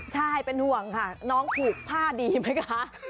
ใช่เป็นห่วงค่ะน้องผูกผ้าดีไหมคะ